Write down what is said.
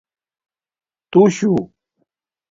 توشُو